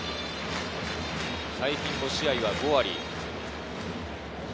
最近５試合は５割。